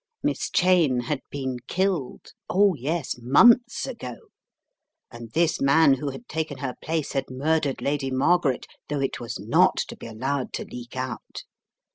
Miss Cheyne had been killed — oh, yes, months ago — and this man who had taken her place had murdered Lady Margaret, though it was not to be allowed to leak out.